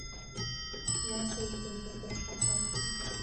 Иацуҵоит ақәыршаҳаҭга.